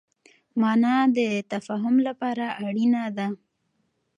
مانا د تفاهم لپاره اړينه ده.